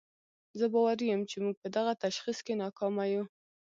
زه باوري یم چې موږ په دغه تشخیص کې ناکامه یو.